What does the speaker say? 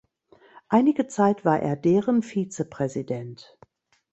Einige Zeit war er deren Vizepräsident.